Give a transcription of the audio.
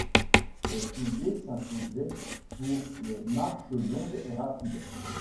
Les souliers s'imposaient pour les marches longues et rapides.